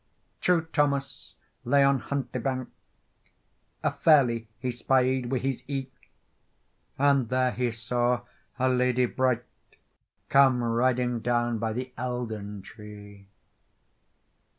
TRUE Thomas lay on Huntlie bank; A ferlie he spied wi' his ee; And there he saw a lady bright, Come riding down by the Eildon Tree.